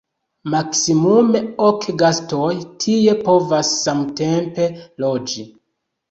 Maksimume ok gastoj tie povas samtempe loĝi.